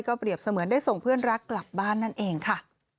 เปรียบเสมือนได้ส่งเพื่อนรักกลับบ้านนั่นเองค่ะ